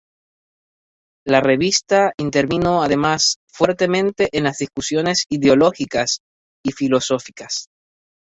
La revista intervino además fuertemente en las discusiones ideológicas y filosóficas.